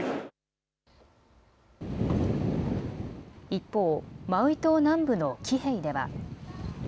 一方、マウイ島南部のキヘイでは。